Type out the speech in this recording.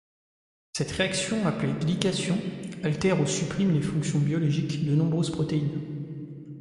Cette réaction, appelée glycation, altère ou supprime les fonctions biologiques de nombreuses protéines.